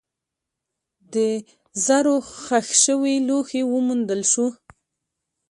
د زرو ښخ شوي لوښي وموندل شول.